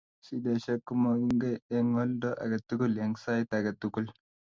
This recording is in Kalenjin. sidesiek komangukei eng oldo ake tukul eng sait aketukul